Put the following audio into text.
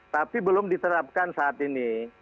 tapi belum diterapkan saat ini